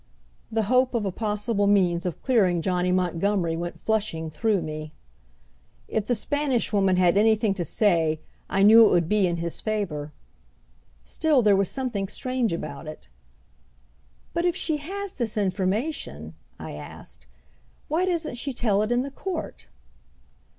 The hope of a possible means of clearing Johnny Montgomery went flushing through me. If the Spanish Woman had anything to say I knew it would be in his favor. Still, there was something strange about it. "But if she has this information," I asked, "why doesn't she tell it in the court?"